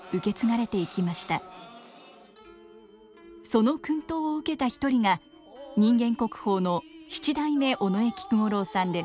その薫陶を受けた一人が人間国宝の七代目尾上菊五郎さんです。